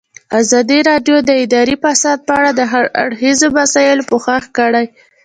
ازادي راډیو د اداري فساد په اړه د هر اړخیزو مسایلو پوښښ کړی.